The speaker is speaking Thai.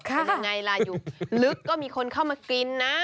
คือยังไงล่ะอยู่ลึกก็มีคนเข้ามากินนะ